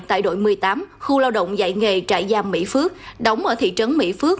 tại đội một mươi tám khu lao động dạy nghề trại giam mỹ phước đóng ở thị trấn mỹ phước